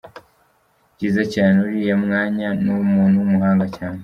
Byiza cyane, uriya mwanya nuw’umuntu w’umuhanga cyane.